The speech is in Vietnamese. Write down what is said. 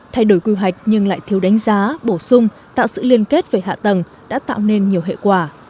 thay đổi quy hoạch nhưng lại thiếu đánh giá bổ sung tạo sự liên kết về hạ tầng đã tạo nên nhiều hệ quả